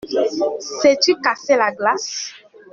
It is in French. Sais-tu casser la glace ?